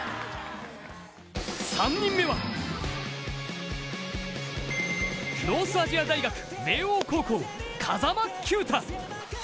３人目は、ノースアジア大学明桜高校、風間球打。